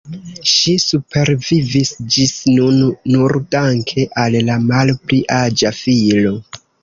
Ŝi supervivis ĝis nun nur danke al la malpli aĝa filo.